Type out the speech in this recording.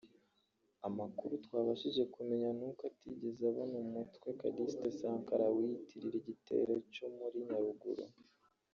Amakuru twabashije kumenye nuko atigeze abona uwitwa Calixte Sankara wiyitirira igitero cyo muri Nyaruguru